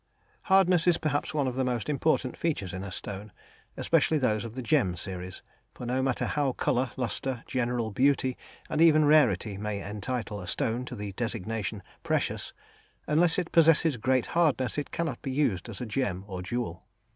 Hardness is perhaps one of the most important features in a stone, especially those of the "gem" series, for no matter how colour, lustre, general beauty and even rarity may entitle a stone to the designation "precious," unless it possesses great hardness it cannot be used as a gem or jewel.